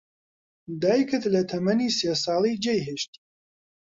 دایکت لە تەمەنی سێ ساڵی جێی هێشتی.